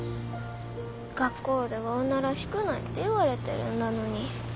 学校では女らしくないって言われてるんだのに。